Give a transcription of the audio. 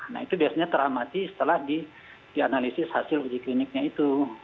nah itu biasanya teramati setelah dianalisis hasil uji kliniknya itu